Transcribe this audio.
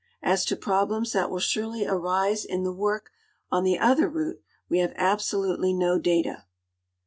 As to problems that will surely arise in the Avork on the other route Ave liaA'e absolutely no data.